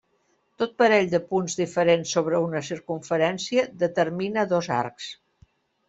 Tot parell de punts diferents sobre una circumferència determina dos arcs.